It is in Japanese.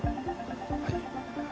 はい。